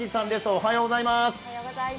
おはようございます。